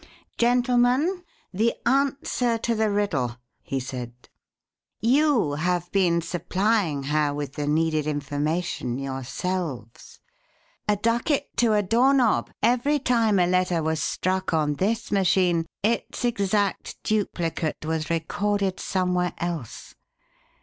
"Gentlemen, the answer to the riddle," he said. "You have been supplying her with the needed information yourselves. A ducat to a door knob, every time a letter was struck on this machine its exact duplicate was recorded somewhere else.